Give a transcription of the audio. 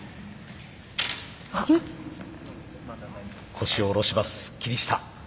腰を下ろします霧下。